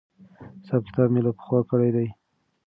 حساب کتاب مې له پخوا کړی دی.